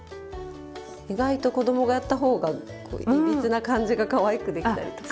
意外と子供がやった方がいびつな感じがかわいくできたりとか。